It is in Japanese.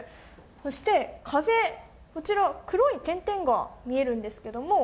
そして壁、こちら黒い点々が見えるんですけれども。